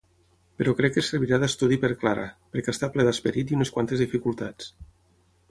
Però crec que servirà d'estudi per Clara; perquè està ple d'esperit i unes quantes dificultats.